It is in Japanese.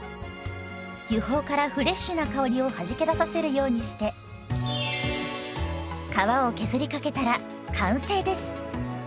油胞からフレッシュな香りをはじけ出させるようにして皮を削りかけたら完成です。